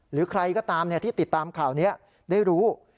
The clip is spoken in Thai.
หรือใครก็ตามที่ติดตามข่าวนี้ได้รู้